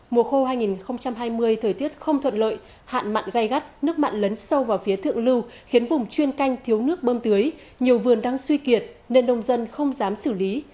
mùa khô hai nghìn hai mươi thời tiết không thuận lợi hạn mặn gây gắt nước mặn lấn sâu vào phía thượng lưu khiến vùng chuyên canh thiếu nước bơm tưới nhiều vườn đang suy kiệt nên nông dân không dám xử lý